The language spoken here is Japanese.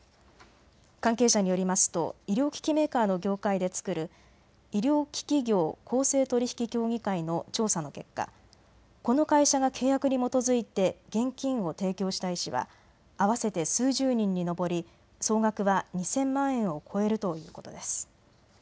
関係者によりますと医療機器メーカーの業界で作る医療機器業公正取引協議会の調査の結果、この会社が契約に基づいて現金を提供した医師は合わせて数十人に上り総額は２０００万円を超えるということです。